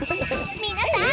［皆さん］